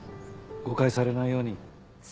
誤解されないように。